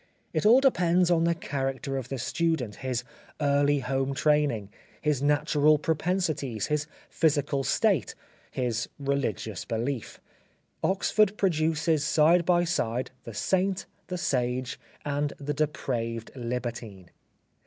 It all depends on the character of the student, his early home training, his natural propensities, his physical state, his religious belief. Oxford produces side by side the saint, the sage, and the depraved libertine.